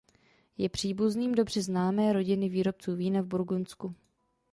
Je příbuzným dobře známé rodiny výrobců vína v Burgundsku.